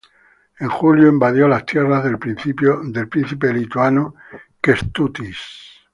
En julio invadió las tierras del príncipe lituano Kęstutis.